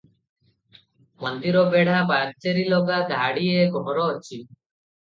ମନ୍ଦିର ବେଢ଼ା ପାଚେରିଲଗା ଧାଡ଼ିଏ ଘର ଅଛି ।